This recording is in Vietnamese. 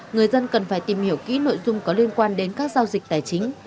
người dân cần phải tìm hiểu kỹ nội dung có liên quan đến các giao dịch tài chính